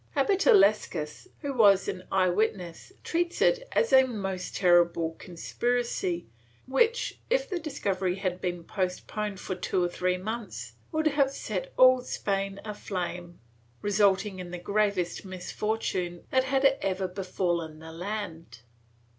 Abbot Illescas, who was an eye witness, treats it as a most terrible conspiracy which, if the discovery had been postponed for two or three months, would have set all Spain aflame, resulting in the gravest misfor tune that had ever befallen the land.